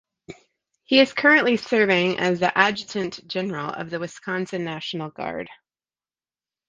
He is currently serving as the adjutant general of the Wisconsin National Guard.